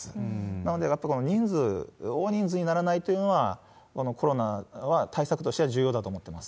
なので、やっぱりこの人数、大人数にならないというのは、このコロナは対策としては重要だと思ってます。